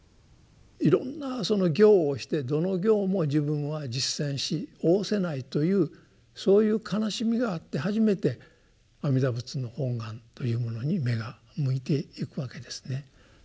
いろんな行をしてどの行も自分は実践し果せないというそういう悲しみがあって初めて阿弥陀仏の本願というものに目が向いていくわけですね。